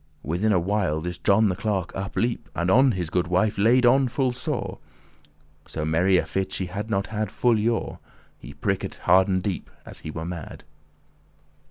Within a while this John the Clerk up leap And on this goode wife laid on full sore; So merry a fit had she not had *full yore*. *for a long time* He pricked hard and deep, as he were mad.